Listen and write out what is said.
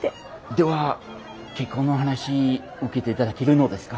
では結婚の話受けていただけるのですか。